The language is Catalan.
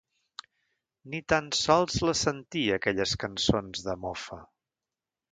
Ni tan sols les sentia aquelles cançons de mofa